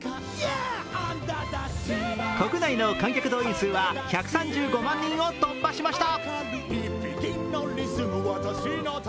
国内の観客動員数は１３５万人を突破しました。